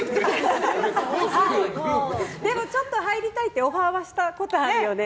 でもちょっと入りたいってオファーはしたことあるよね。